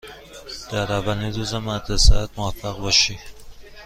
در اولین روز مدرسه ات موفق باشی.